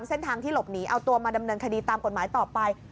เอาตัวมาดำเนินคดีตามกฎหมายต่อไป